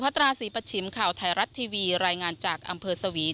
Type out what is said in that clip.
ตราศรีปัชชิมข่าวไทยรัฐทีวีรายงานจากอำเภอสวี